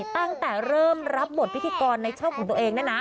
ตั้งแต่เริ่มรับบทพิธีกรในช่องของตัวเอง